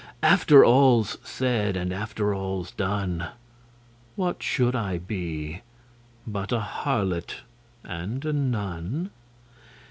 After all's said and after all's done, What should I be but a harlot and a nun?